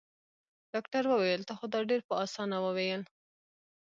ډاکټر وويل تا خو دا ډېر په اسانه وويل.